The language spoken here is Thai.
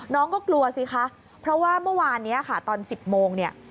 น้องก็กลัวสิคะเพราะว่าเมื่อวานนี้ค่ะตอน๑๐โมงเนี่ย